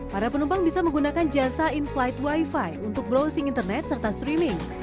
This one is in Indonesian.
para penumpang bisa menggunakan jasa in flight wifi untuk browsing internet serta streaming